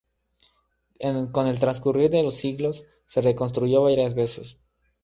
Con el transcurrir de los siglos, se reconstruyó varias veces.